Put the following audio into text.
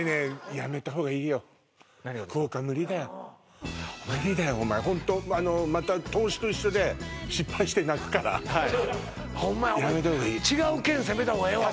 やめたほうがいいよ福岡無理だよ無理だよお前ホントあのまた投資と一緒で失敗して泣くからはいやめたほうがいいホンマやお前違う県攻めたほうがええわ